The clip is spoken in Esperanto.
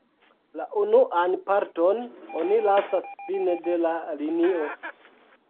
La unuan parton oni lasas fine de la linio.